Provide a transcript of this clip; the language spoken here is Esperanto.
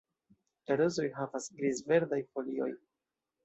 La rozoj havas griz-verdaj folioj.